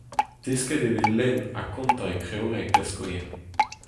Desket e vez lenn ha kontañ e kreoleg da skouer.